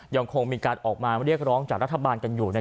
ยังคงมีการออกมาเรียกร้องจากรัฐบาลกันอยู่